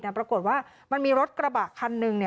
อนดีกว่ามีรถกระบะคันหนึ่ง